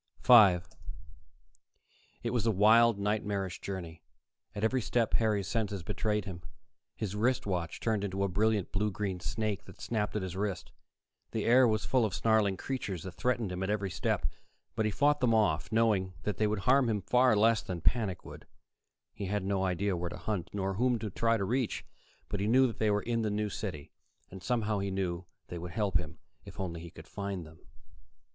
5 It was a wild, nightmarish journey. At every step, Harry's senses betrayed him: his wrist watch turned into a brilliant blue green snake that snapped at his wrist; the air was full of snarling creatures that threatened him at every step. But he fought them off, knowing that they would harm him far less than panic would. He had no idea where to hunt, nor whom to try to reach, but he knew they were there in the New City, and somehow he knew they would help him, if only he could find them.